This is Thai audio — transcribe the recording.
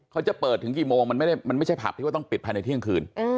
เขาจะเปิดถึงกี่โมงมันไม่ใช่ผับที่ว่าต้องปิดภายในเที่ยงคืน